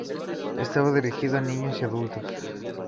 Estaba dirigido a niños y adultos.